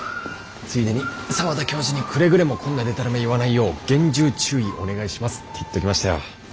ついでに澤田教授にくれぐれもこんなデタラメ言わないよう厳重注意お願いしますって言っときましたよ。